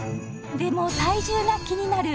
でも体重が気になる